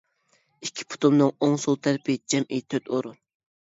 ئىككى پۇتۇمنىڭ ئوڭ-سول تەرىپى جەمئىي تۆت ئورۇن.